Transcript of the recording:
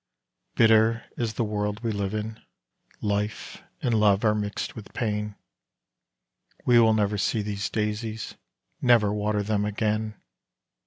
Bitter is the world we live in: life and love are mixed with pain; We will never see these daisies never water them again.